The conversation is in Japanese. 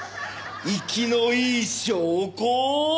活きのいい証拠品！